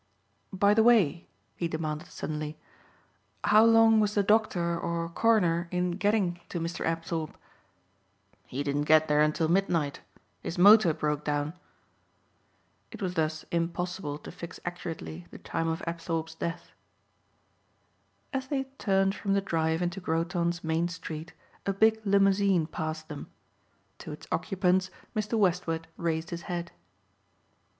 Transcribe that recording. "By the way," he demanded suddenly, "how long was the doctor or coroner in getting to Mr. Apthorpe?" "He didn't get there until midnight. His motor broke down." It was thus impossible to fix accurately the time of Apthorpe's death. As they turned from the drive into Groton's main street a big limousine passed them. To its occupants Mr. Westward raised his hat.